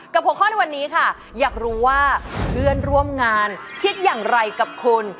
๖ข้อในวันนี้ค่ะอยากรู้ว่าเพื่อนร่วมงานคิดอย่างไรกับคุณ